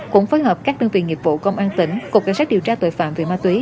cũng phối hợp các đơn vị nghiệp vụ công an tỉnh cục cảnh sát điều tra tội phạm về ma túy